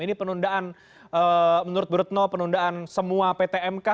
ini penundaan menurut bu retno penundaan semua ptmk